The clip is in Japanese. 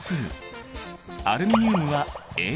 アルミニウムはＡｌ。